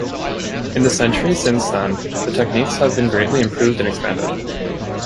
In the century since then the techniques have been greatly improved and expanded.